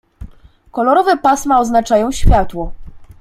"Kolorowe pasma oznaczają światło."